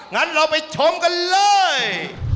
งั้นเราไปชมกันเลย